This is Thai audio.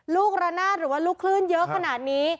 ลูกระนาดหรือว่าลูกคลื่นเยอะขนาดนี้